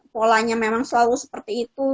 polanya memang selalu seperti itu